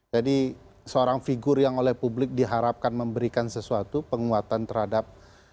jadi seorang figur yang oleh publik diharapkan memberikan sesuatu penguatan terhadap